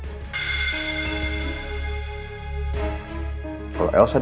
kamu bukan suaminya elsa lagi